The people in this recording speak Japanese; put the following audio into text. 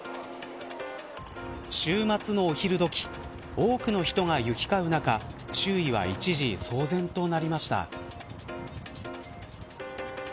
週末のお昼時多くの人が行き交う中周囲は一時騒然となりました。